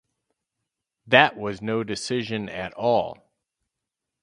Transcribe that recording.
That was no decision at all.